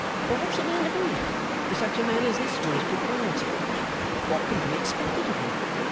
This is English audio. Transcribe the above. But what's a man to be, with such a man as this for his Proprietor? What can be expected of him?